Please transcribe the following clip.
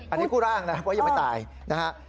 อันนี้กู้ร่างนะเพราะยังไม่ตายนะฮะ